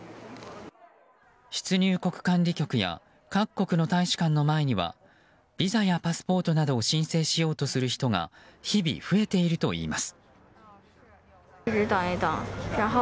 出入国管理局や各国の大使館の前にはビザやパスポートなどを申請しようとする人が日々、増えているといいます。